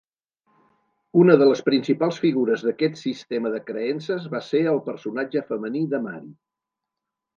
Una de les principals figures d'aquest sistema de creences va ser el personatge femení de Mari.